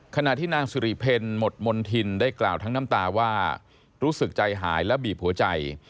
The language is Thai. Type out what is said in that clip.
ขณะที่นางสุริเพลหมดมณฑินได้กล่าวทั้งน้ำตาว่ารู้สึกใจหายและบีบหัวใจ